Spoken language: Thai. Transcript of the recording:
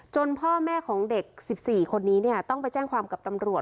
พ่อแม่ของเด็ก๑๔คนนี้ต้องไปแจ้งความกับตำรวจ